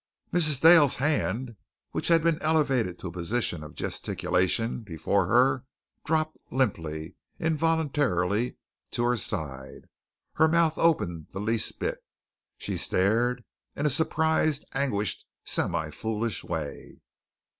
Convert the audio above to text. Mrs. Dale's hand, which had been elevated to a position of gesticulation before her, dropped limp, involuntarily, to her side. Her mouth opened the least bit. She stared in a surprised, anguished, semi foolish way.